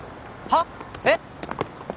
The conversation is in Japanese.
はっ！？えっ！？